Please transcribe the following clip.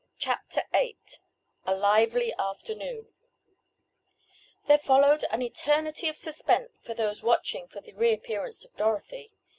CHAPTER VIII A LIVELY AFTERNOON There followed an eternity of suspense for those watching for the reappearance of Dorothy.